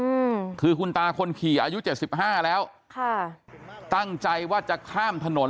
อืมคือคุณตาคนขี่อายุเจ็ดสิบห้าแล้วค่ะตั้งใจว่าจะข้ามถนน